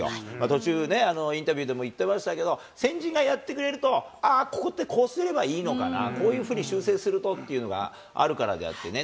途中ね、インタビューでも言ってましたけど、先人がやってくれると、ここってこういうふうにすればいいのかな、こういうふうに修正するとっていうのがあるからであってね。